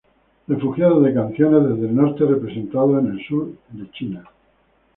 Refugiados de canciones desde el norte reasentados en el sur de China.